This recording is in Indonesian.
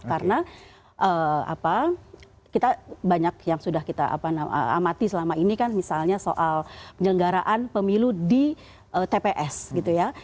karena kita banyak yang sudah kita amati selama ini kan misalnya soal penyelenggaraan pemilu di tps gitu ya